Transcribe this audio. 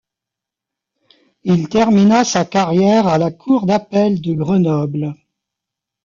Il termina sa carrière à la Cour d'appel de Grenoble.